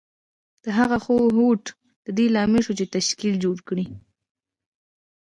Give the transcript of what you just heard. د هغه هوډ د دې لامل شو چې تشکیل جوړ کړي